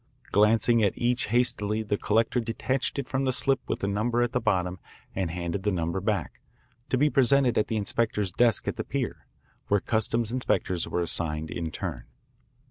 Glancing at each hastily the collector detached from it the slip with the number at the bottom and handed the number back, to be presented at the inspector's desk at the pier, where customs inspectors were assigned in turn.